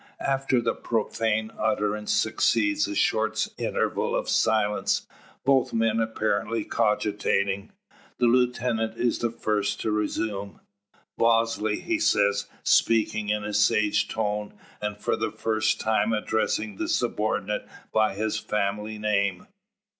After the profane utterance succeeds a short interval of silence, both men apparently cogitating. The lieutenant is the first to resume. "Bosley," he says, speaking in a sage tone, and for the first time addressing the subordinate by his family name.